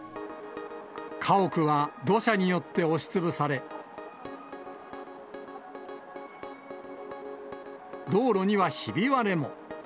家屋は土砂によって押しつぶされ、道路にはひび割れも。